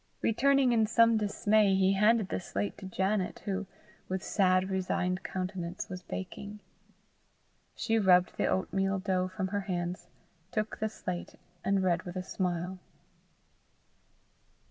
Returning in some dismay, he handed the slate to Janet, who, with sad, resigned countenance, was baking. She rubbed the oatmeal dough from her hands, took the slate, and read with a smile.